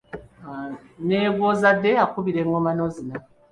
Ne gw’ozadde akukubira engoma n’ozina.